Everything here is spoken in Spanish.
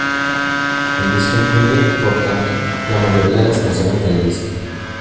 El disco incluye, por tanto, la mayoría de las canciones del disco.